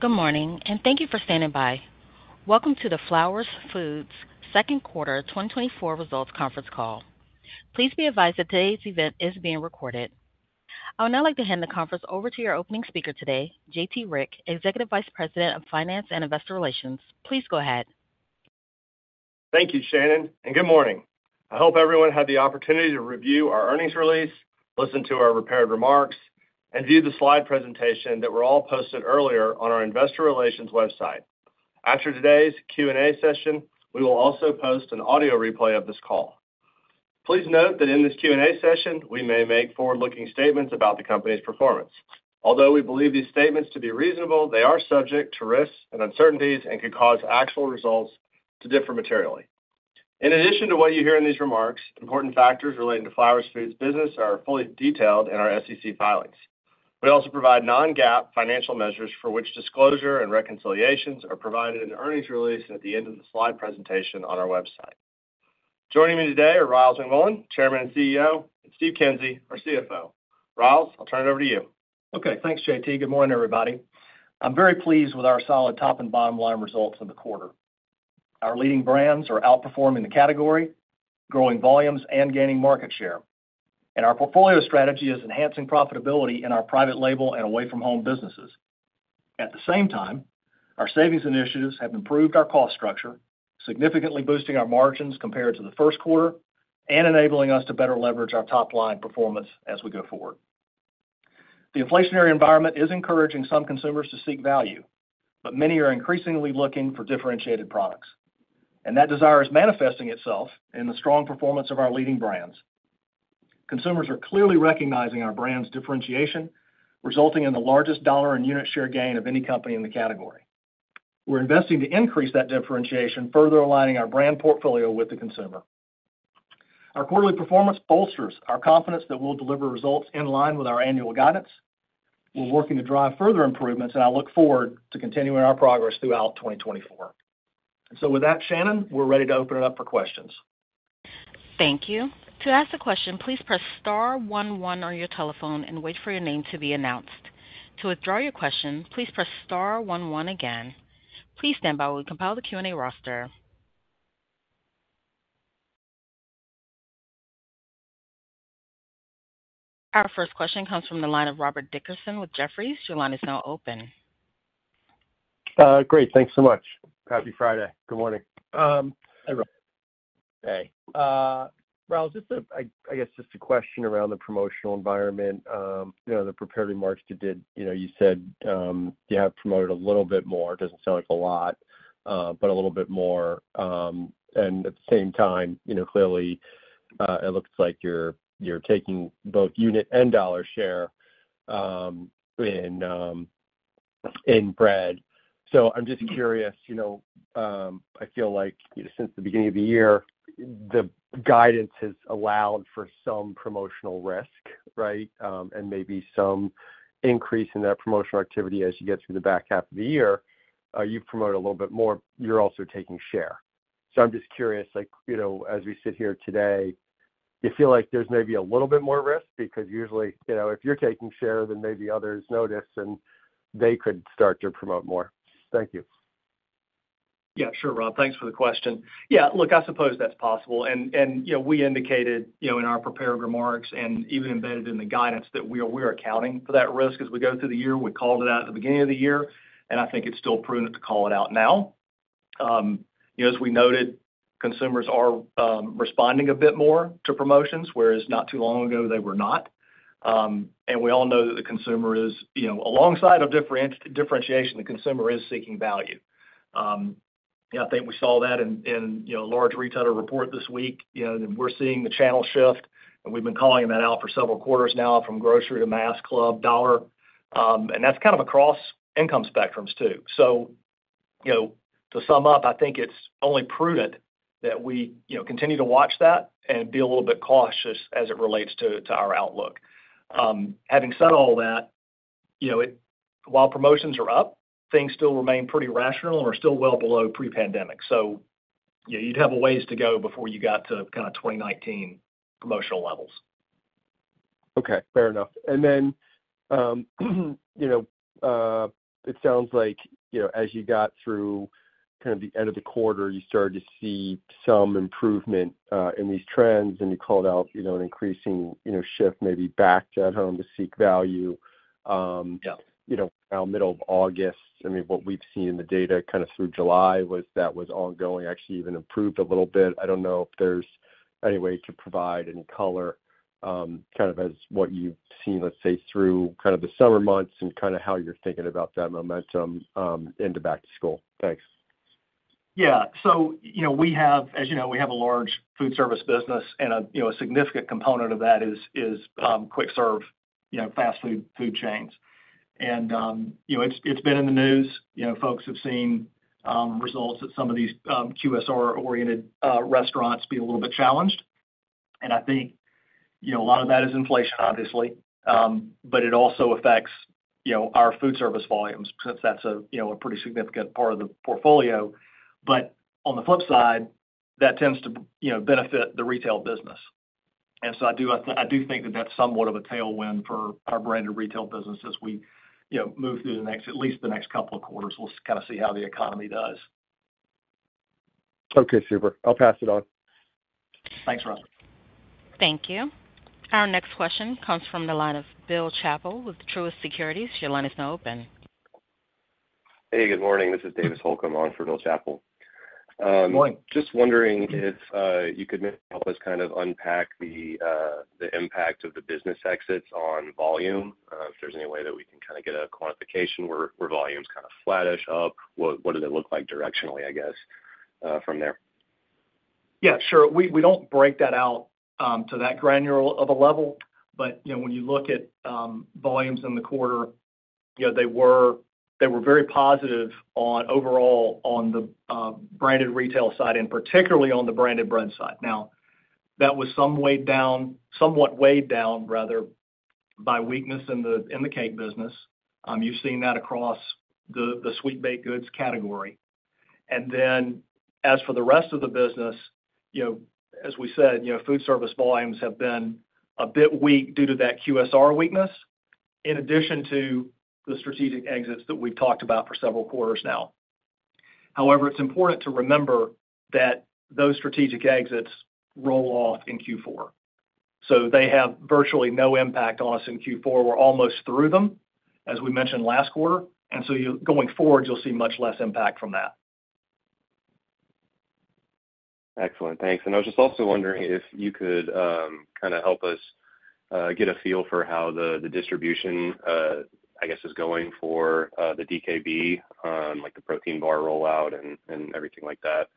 Good morning, and thank you for standing by. Welcome to the Flowers Foods second quarter 2024 Results Conference Call. Please be advised that today's event is being recorded. I would now like to hand the conference over to your opening speaker today, J.T. Rieck, Executive Vice President of Finance and Investor Relations. Please go ahead. Thank you, Shannon, and good morning. I hope everyone had the opportunity to review our earnings release, listen to our prepared remarks, and view the slide presentation that were all posted earlier on our investor relations website. After today's Q&A session, we will also post an audio replay of this call. Please note that in this Q&A session, we may make forward-looking statements about the company's performance. Although we believe these statements to be reasonable, they are subject to risks and uncertainties and could cause actual results to differ materially. In addition to what you hear in these remarks, important factors relating to Flowers Foods' business are fully detailed in our SEC filings. We also provide non-GAAP financial measures for which disclosure and reconciliations are provided in the earnings release at the end of the slide presentation on our website. Joining me today are Ryals McMullian, Chairman and CEO, and Steve Kinsey, our CFO. Ryals, I'll turn it over to you. Okay, thanks, J.T. Good morning, everybody. I'm very pleased with our solid top and bottom line results in the quarter. Our leading brands are outperforming the category, growing volumes and gaining market share, and our portfolio strategy is enhancing profitability in our private label and away-from-home businesses. At the same time, our savings initiatives have improved our cost structure, significantly boosting our margins compared to the first quarter and enabling us to better leverage our top-line performance as we go forward. The inflationary environment is encouraging some consumers to seek value, but many are increasingly looking for differentiated products, and that desire is manifesting itself in the strong performance of our leading brands. Consumers are clearly recognizing our brand's differentiation, resulting in the largest dollar and unit share gain of any company in the category. We're investing to increase that differentiation, further aligning our brand portfolio with the consumer. Our quarterly performance bolsters our confidence that we'll deliver results in line with our annual guidance. We're working to drive further improvements, and I look forward to continuing our progress throughout 2024. So with that, Shannon, we're ready to open it up for questions. Thank you. To ask a question, please press star one one on your telephone and wait for your name to be announced. To withdraw your question, please press star one one again. Please stand by while we compile the Q&A roster. Our first question comes from the line of Robert Dickerson with Jefferies. Your line is now open. Great. Thanks so much. Happy Friday. Good morning. Hi, Rob. Hey. Ryals, just a - I guess just a question around the promotional environment. You know, the prepared remarks you did, you know, you said, you have promoted a little bit more. It doesn't sound like a lot, but a little bit more. And at the same time, you know, clearly, it looks like you're taking both unit and dollar share in bread. So I'm just curious, you know, I feel like since the beginning of the year, the guidance has allowed for some promotional risk, right? And maybe some increase in that promotional activity as you get through the back half of the year. You've promoted a little bit more, you're also taking share. So I'm just curious, like, you know, as we sit here today, do you feel like there's maybe a little bit more risk? Because usually, you know, if you're taking share, then maybe others notice and they could start to promote more. Thank you. Yeah, sure, Rob. Thanks for the question. Yeah, look, I suppose that's possible. And you know, we indicated, you know, in our prepared remarks and even embedded in the guidance that we are accounting for that risk as we go through the year. We called it out at the beginning of the year, and I think it's still prudent to call it out now. You know, as we noted, consumers are responding a bit more to promotions, whereas not too long ago, they were not. And we all know that the consumer is, you know, alongside of differentiation, the consumer is seeking value. Yeah, I think we saw that in you know, large retailer report this week. You know, we're seeing the channel shift, and we've been calling that out for several quarters now from grocery to mass club dollar, and that's kind of across income spectrums, too. So, you know, to sum up, I think it's only prudent that we, you know, continue to watch that and be a little bit cautious as it relates to our outlook. Having said all that, you know, while promotions are up, things still remain pretty rational and are still well below pre-pandemic. So yeah, you'd have a ways to go before you got to kinda 2019 promotional levels. Okay, fair enough. And then, you know, it sounds like, you know, as you got through kind of the end of the quarter, you started to see some improvement in these trends, and you called out, you know, an increasing, you know, shift maybe back to at home to seek value. Yeah.... you know, now middle of August. I mean, what we've seen in the data kind of through July was that was ongoing, actually even improved a little bit. I don't know if there's any way to provide any color, kind of as what you've seen, let's say, through kind of the summer months and kind of how you're thinking about that momentum, into back to school. Thanks. Yeah. So you know, we have, as you know, we have a large food service business and a, you know, a significant component of that is quick serve, you know, fast food, food chains. And you know, it's been in the news, you know, folks have seen results at some of these QSR-oriented restaurants be a little bit challenged. And I think, you know, a lot of that is inflation, obviously, but it also affects, you know, our foodservice volumes since that's a, you know, a pretty significant part of the portfolio. But on the flip side, that tends to, you know, benefit the retail business. And so I do think that that's somewhat of a tailwind for our branded retail business as we, you know, move through at least the next couple of quarters. We'll kind of see how the economy does. Okay, super. I'll pass it on. Thanks, Rob. Thank you. Our next question comes from the line of Bill Chappell with Truist Securities. Your line is now open. Hey, good morning. This is Davis Holcombe on for Bill Chappell. Good morning. Just wondering if you could maybe help us kind of unpack the impact of the business exits on volume, if there's any way that we can kind of get a quantification where volume's kind of flattish up, what does it look like directionally, I guess, from there? Yeah, sure. We don't break that out to that granular of a level. But, you know, when you look at volumes in the quarter, you know, they were very positive overall on the branded retail side, and particularly on the branded bread side. Now, that was somewhat weighed down, rather, by weakness in the cake business. You've seen that across the sweet baked goods category. And then as for the rest of the business, you know, as we said, you know, food service volumes have been a bit weak due to that QSR weakness, in addition to the strategic exits that we've talked about for several quarters now. However, it's important to remember that those strategic exits roll off in Q4, so they have virtually no impact on us in Q4. We're almost through them, as we mentioned last quarter, and so going forward, you'll see much less impact from that. Excellent. Thanks, and I was just also wondering if you could kind of help us get a feel for how the distribution, I guess, is going for the DKB like the protein bar rollout and everything like that.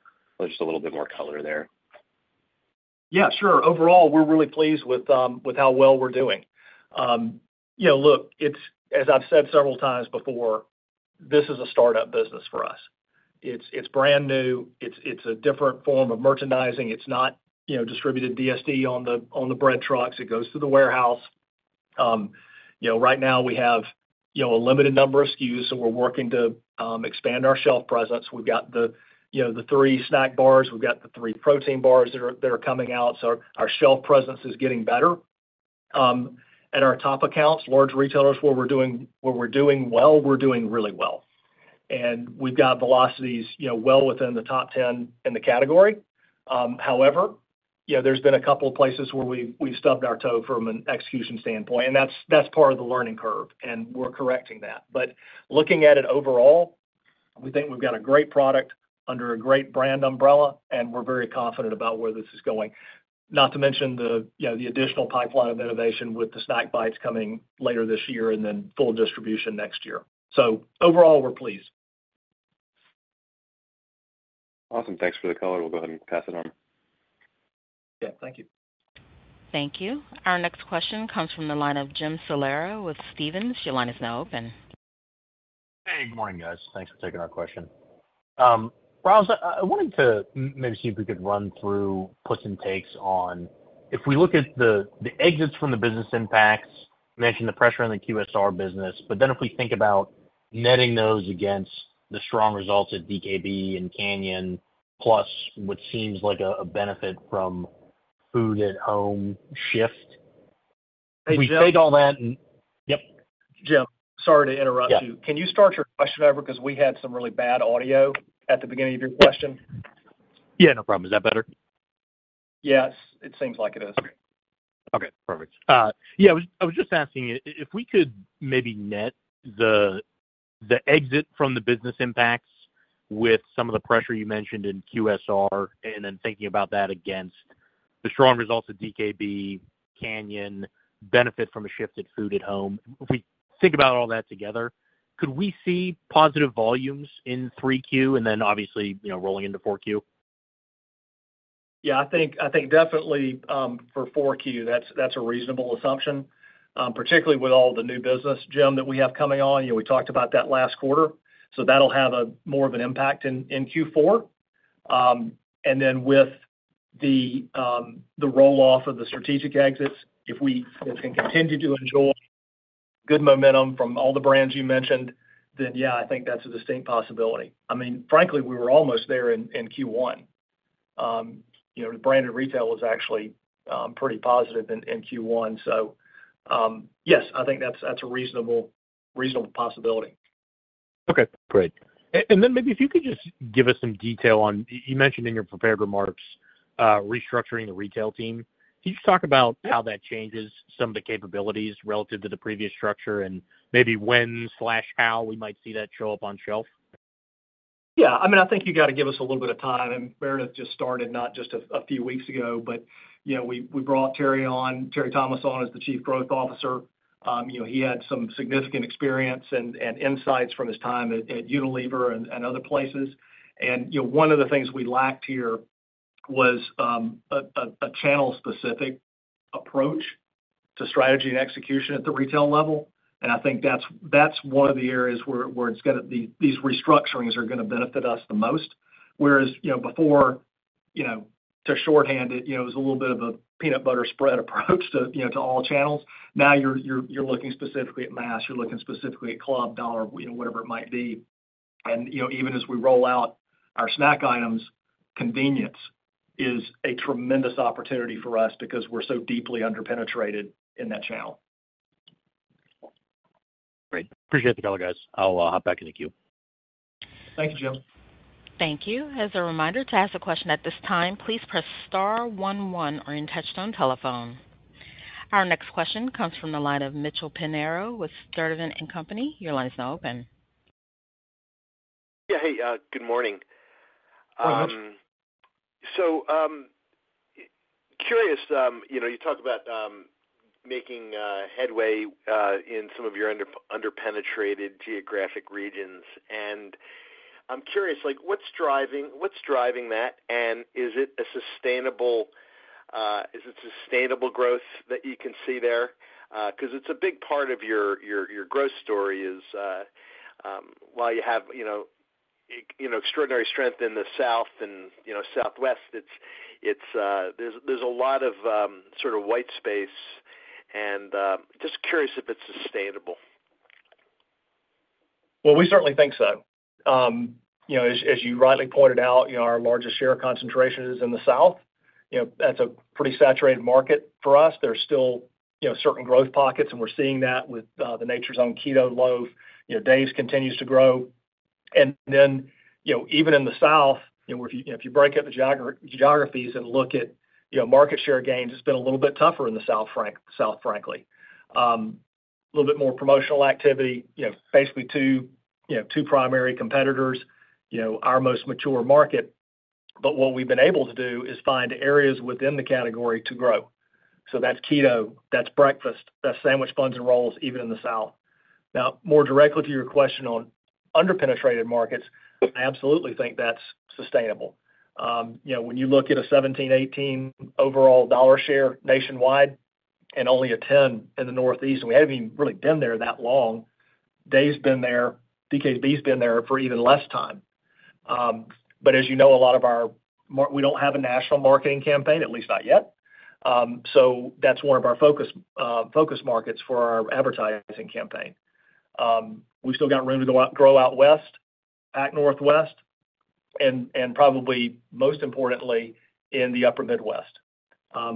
Just a little bit more color there. Yeah, sure. Overall, we're really pleased with how well we're doing. You know, look, it's—as I've said several times before, this is a startup business for us. It's, it's brand new. It's, it's a different form of merchandising. It's not, you know, distributed DSD on the, on the bread trucks. It goes through the warehouse. You know, right now we have, you know, a limited number of SKUs, so we're working to expand our shelf presence. We've got the, you know, the three snack bars. We've got the three protein bars that are, that are coming out. So our shelf presence is getting better. At our top accounts, large retailers, where we're doing, where we're doing well, we're doing really well. And we've got velocities, you know, well within the top ten in the category. However, you know, there's been a couple of places where we've stubbed our toe from an execution standpoint, and that's part of the learning curve, and we're correcting that. But looking at it overall, we think we've got a great product under a great brand umbrella, and we're very confident about where this is going. Not to mention the, you know, the additional pipeline of innovation with the Snack Bites coming later this year and then full distribution next year. So overall, we're pleased. Awesome. Thanks for the color. We'll go ahead and pass it on. Yeah, thank you. Thank you. Our next question comes from the line of Jim Salera with Stephens. Your line is now open. Hey, good morning, guys. Thanks for taking our question. Ryals, I wanted to maybe see if we could run through puts and takes on... If we look at the exits from the business impacts, mention the pressure on the QSR business, but then if we think about netting those against the strong results at DKB and Canyon, plus what seems like a benefit from food at home shift. Hey, Jim? We take all that and yep. Jim, sorry to interrupt you. Yeah. Can you start your question over? Because we had some really bad audio at the beginning of your question. Yeah, no problem. Is that better? Yes, it seems like it is. Okay, perfect. Yeah, I was just asking you if we could maybe net the exit from the business impacts with some of the pressure you mentioned in QSR, and then thinking about that against the strong results of DKB, Canyon, benefit from a shift in food at home. If we think about all that together, could we see positive volumes in 3Q and then obviously, you know, rolling into 4Q? Yeah, I think definitely for 4Q, that's a reasonable assumption, particularly with all the new business, Jim, that we have coming on. You know, we talked about that last quarter, so that'll have a more of an impact in Q4. And then with the roll-off of the strategic exits, if we can continue to enjoy good momentum from all the brands you mentioned, then, yeah, I think that's a distinct possibility. I mean, frankly, we were almost there in Q1. You know, the branded retail was actually pretty positive in Q1. So, yes, I think that's a reasonable possibility. Okay, great. And then maybe if you could just give us some detail on, you mentioned in your prepared remarks, restructuring the retail team. Can you just talk about how that changes some of the capabilities relative to the previous structure and maybe when/how we might see that show up on shelf? Yeah, I mean, I think you got to give us a little bit of time. And Meredith just started not just a few weeks ago, but, you know, we brought Terry on, Terry Thomas on as the Chief Growth Officer. You know, he had some significant experience and insights from his time at Unilever and other places. And, you know, one of the things we lacked here was a channel-specific approach to strategy and execution at the retail level. And I think that's one of the areas where it's gonna be. These restructurings are gonna benefit us the most. Whereas, you know, before, you know, to shorthand it, you know, it was a little bit of a peanut butter spread approach to, you know, to all channels. Now, you're looking specifically at mass, you're looking specifically at club, dollar, you know, whatever it might be. And, you know, even as we roll out our snack items, convenience is a tremendous opportunity for us because we're so deeply under-penetrated in that channel. Great. Appreciate the call, guys. I'll hop back in the queue. Thank you. Thank you. As a reminder, to ask a question at this time, please press star one one on your touchtone telephone. Our next question comes from the line of Mitchell Pinheiro with Sturdivant & Co. Your line is now open. Yeah, hey, good morning. Hi, Mitchell. So, curious, you know, you talked about making headway in some of your under-penetrated geographic regions, and I'm curious, like, what's driving that? And is it sustainable growth that you can see there? Because it's a big part of your growth story is while you have, you know, extraordinary strength in the South and, you know, Southwest, it's, there's a lot of sort of white space, and just curious if it's sustainable. Well, we certainly think so. You know, as you rightly pointed out, you know, our largest share concentration is in the South. You know, that's a pretty saturated market for us. There's still, you know, certain growth pockets, and we're seeing that with the Nature's Own Keto Loaf. You know, Dave's continues to grow. And then, you know, even in the South, you know, if you break up the geographies and look at, you know, market share gains, it's been a little bit tougher in the South, frankly. A little bit more promotional activity, you know, basically two primary competitors, you know, our most mature market. But what we've been able to do is find areas within the category to grow. So that's Keto, that's breakfast, that's sandwich buns and rolls, even in the South. Now, more directly to your question on under-penetrated markets, I absolutely think that's sustainable. You know, when you look at a 17, 18 overall dollar share nationwide and only a 10 in the Northeast, and we haven't even really been there that long. Dave's been there, DKB's been there for even less time. But as you know, a lot of our we don't have a national marketing campaign, at least not yet. So that's one of our focus markets for our advertising campaign. We've still got room to grow out west, and Northwest, and, and probably most importantly, in the Upper Midwest,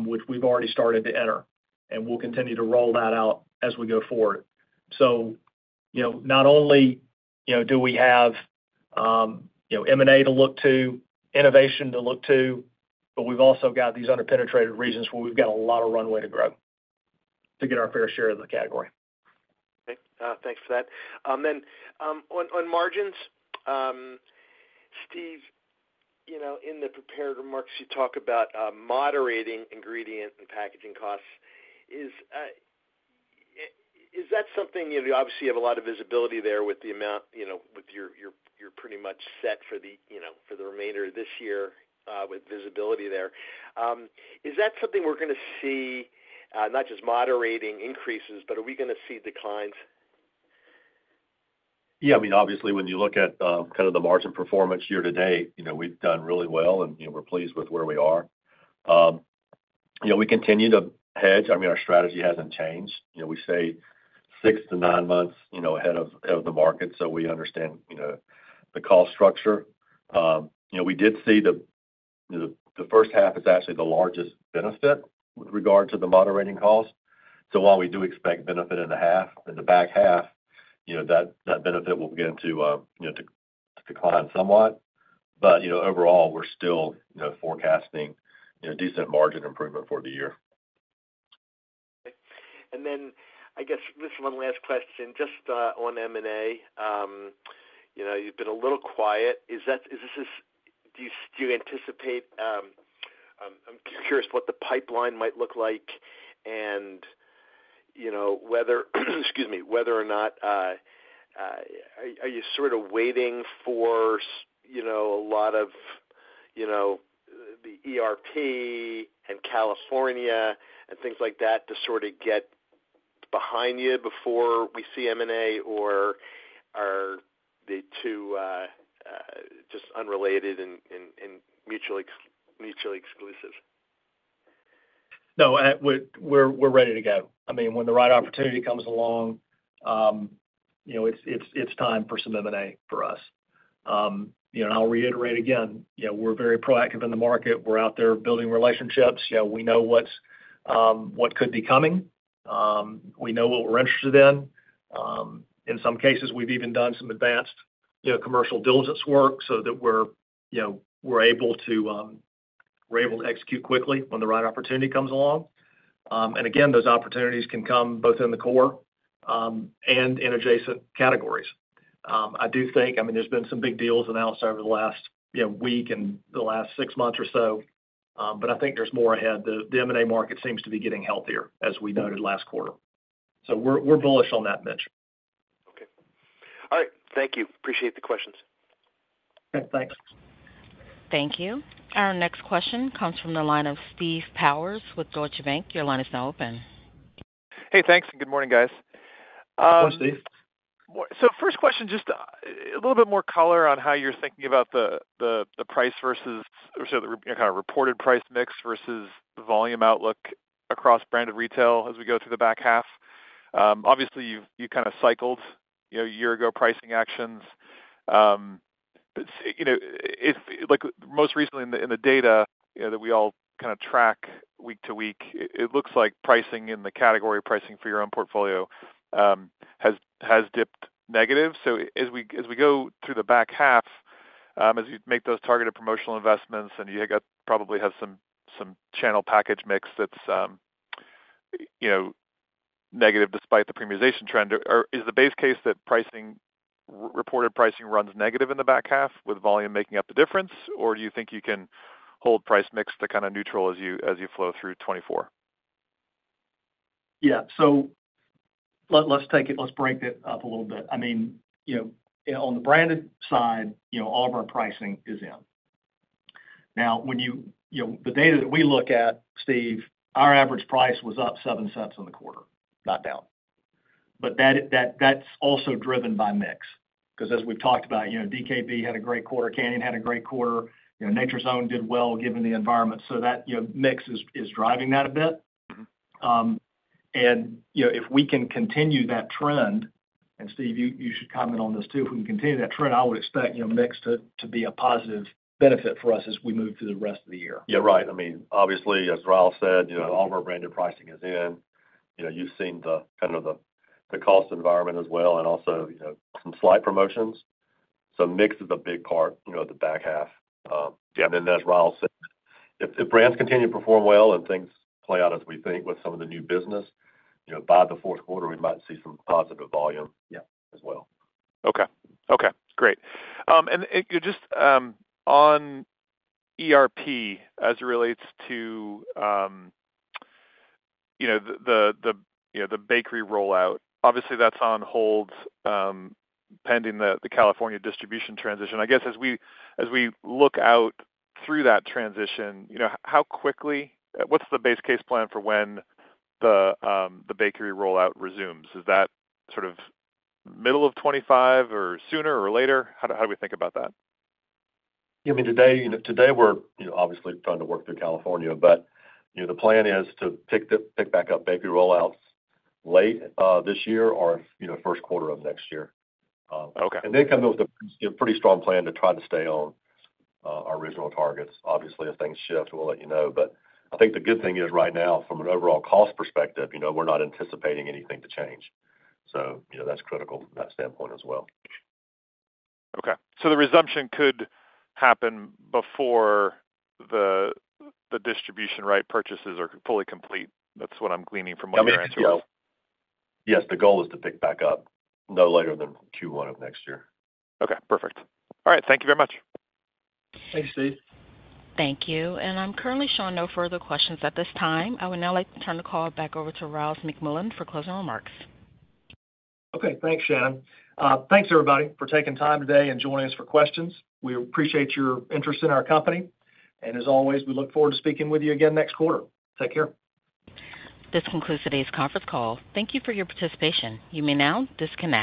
which we've already started to enter, and we'll continue to roll that out as we go forward. So, you know, not only, you know, do we have, you know, M&A to look to, innovation to look to, but we've also got these under-penetrated regions where we've got a lot of runway to grow to get our fair share of the category. Okay. Thanks for that. Then, on margins, Steve, you know, in the prepared remarks, you talk about moderating ingredient and packaging costs. Is that something... You know, you obviously have a lot of visibility there with the amount, you know, with your, you're pretty much set for the, you know, for the remainder of this year, with visibility there. Is that something we're gonna see, not just moderating increases, but are we gonna see declines? Yeah, I mean, obviously, when you look at, kind of the margin performance year to date, you know, we've done really well, and, you know, we're pleased with where we are. You know, we continue to hedge. I mean, our strategy hasn't changed. You know, we stay six to nine months, you know, ahead of, of the market, so we understand, you know, the cost structure. You know, we did see the first half is actually the largest benefit with regard to the moderating costs. So while we do expect benefit in the half, in the back half, you know, that benefit will begin to, you know, to, to decline somewhat. But, you know, overall, we're still, you know, forecasting, you know, decent margin improvement for the year. Okay. And then I guess just one last question, just, on M&A. You know, you've been a little quiet. Do you anticipate, I'm curious what the pipeline might look like and, you know, whether, excuse me, whether or not, are you sort of waiting for, you know, a lot of, you know, the ERP and California and things like that to sort of get behind you before we see M&A, or are the two just unrelated and mutually exclusive? No, we're ready to go. I mean, when the right opportunity comes along, you know, it's time for some M&A for us. You know, and I'll reiterate again, you know, we're very proactive in the market. We're out there building relationships. You know, we know what could be coming. We know what we're interested in. In some cases, we've even done some advanced, you know, commercial diligence work so that we're, you know, we're able to execute quickly when the right opportunity comes along. And again, those opportunities can come both in the core and in adjacent categories. I do think, I mean, there's been some big deals announced over the last, you know, week and the last six months or so, but I think there's more ahead. The M&A market seems to be getting healthier, as we noted last quarter, so we're bullish on that, Mitch. Okay. All right. Thank you. Appreciate the questions. Okay, thanks. Thank you. Our next question comes from the line of Steve Powers with Deutsche Bank. Your line is now open. Hey, thanks, and good morning, guys. Hi, Steve. So first question, just a little bit more color on how you're thinking about the price versus, or sorry, the kind of reported price mix versus the volume outlook across branded retail as we go through the back half. Obviously, you've kind of cycled, you know, a year ago, pricing actions. You know, if, like, most recently in the data, you know, that we all kind of track week to week, it looks like pricing in the category, pricing for your own portfolio, has dipped negative. So as we go through the back half, as you make those targeted promotional investments, and you probably have some channel package mix, that's you know, negative despite the premiumization trend. Or is the base case that pricing, reported pricing runs negative in the back half with volume making up the difference? Or do you think you can hold price mix to kind of neutral as you, as you flow through 2024? Yeah. So let's take it. Let's break that up a little bit. I mean, you know, on the branded side, you know, all of our pricing is in. Now, when you know, the data that we look at, Steve, our average price was up $0.07 in the quarter, not down. But that's also driven by mix, because as we've talked about, you know, DKB had a great quarter, Canyon had a great quarter, you know, Nature's Own did well, given the environment. So that, you know, mix is driving that a bit. And, you know, if we can continue that trend, and Steve, you should comment on this, too. If we can continue that trend, I would expect, you know, mix to be a positive benefit for us as we move through the rest of the year. Yeah, right. I mean, obviously, as Ryals said, you know, all of our branded pricing is in. You know, you've seen the kind of the cost environment as well, and also, you know, some slight promotions. So mix is a big part, you know, the back half. Yeah, and then as Ryals said, if brands continue to perform well and things play out as we think with some of the new business, you know, by the fourth quarter, we might see some positive volume- Yeah -as well. Okay. Okay, great. And just on ERP as it relates to you know the bakery rollout, obviously, that's on hold pending the California distribution transition. I guess, as we look out through that transition, you know, how quickly? What's the base case plan for when the bakery rollout resumes? Is that sort of middle of 2025 or sooner or later? How do we think about that? I mean, today, today, we're, you know, obviously trying to work through California, but, you know, the plan is to pick back up bakery rollouts late this year or, you know, first quarter of next year. Okay. And then kind of a pretty strong plan to try to stay on our original targets. Obviously, if things shift, we'll let you know. But I think the good thing is right now, from an overall cost perspective, you know, we're not anticipating anything to change. So, you know, that's critical from that standpoint as well. Okay, so the resumption could happen before the distribution rights purchases are fully complete. That's what I'm gleaning from what you're- Yes, the goal is to pick back up no later than Q1 of next year. Okay, perfect. All right. Thank you very much. Thanks, Steve. Thank you, and I'm currently showing no further questions at this time. I would now like to turn the call back over to Ryals McMullian for closing remarks. Okay, thanks, Shannon. Thanks, everybody, for taking time today and joining us for questions. We appreciate your interest in our company, and as always, we look forward to speaking with you again next quarter. Take care. This concludes today's conference call. Thank you for your participation. You may now disconnect.